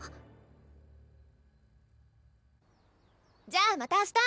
じゃあまた明日！